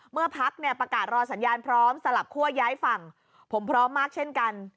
พักเนี่ยประกาศรอสัญญาณพร้อมสลับคั่วย้ายฝั่งผมพร้อมมากเช่นกัน